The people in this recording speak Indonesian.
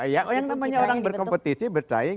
ya yang namanya orang berkompetisi bertahing